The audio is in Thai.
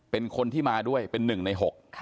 เป็นคนที่มาด้วยเป็น๑ใน๖